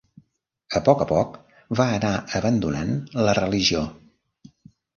A poc a poc va anar abandonant la religió.